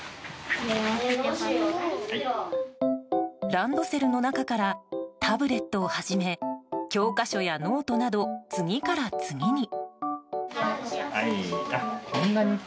ランドセルの中からタブレットをはじめ教科書やノートなど次から次に。